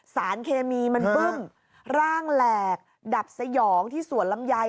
สารเคมีมันปึ้มร่างแหลกดับสยองที่สวนลำไย